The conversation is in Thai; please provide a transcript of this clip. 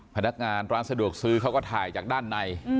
พนักงานร้านสะดวกซื้อเขาก็ถ่ายจากด้านใน